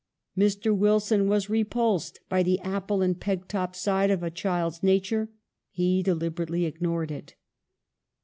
Mr, Wilson was re pulsed by the apple and pegtop side of a child's nature ; he deliberately ignored it.